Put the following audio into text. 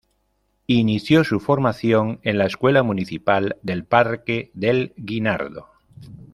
Inició su formación en la Escuela Municipal del Parque del Guinardó.